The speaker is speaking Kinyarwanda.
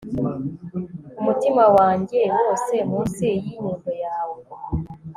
umutima wanjye wose munsi y'inyundo yawe